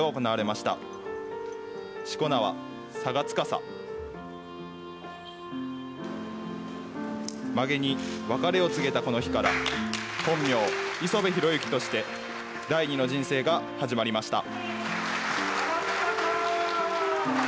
まげに別れを告げたこの日から、本名・磯部洋之として第二の人生が始まりました。